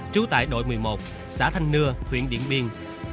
trú tại đội một mươi một xã thanh nưa huyện điện biên